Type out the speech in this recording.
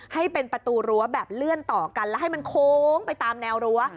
ให้เป็นประตูรั้วแบบเลื่อนต่อกันแล้วให้มันโค้งไปตามแนวรั้ว